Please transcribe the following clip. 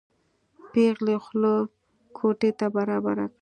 پېغلې خوله کوټې ته برابره کړه.